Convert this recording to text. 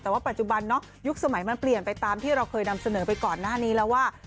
แต่ว่าปัจจุบันยุคสมัยมันเปลี่ยนไปตามที่เราเคยนำเสนอไปก่อนหน้านี้แล้วว่า